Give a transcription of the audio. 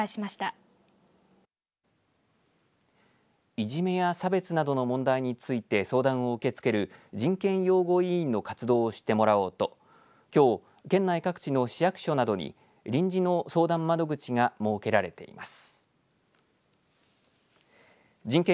いじめや差別などの問題について相談を受け付ける人権擁護委員の活動を知ってもらおうときょう、県内各地の市役所などに臨時の相談窓口が設けられています。